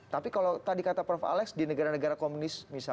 tapi kalau tadi kata prof alex di negara negara komunis misalnya kuba dan indonesia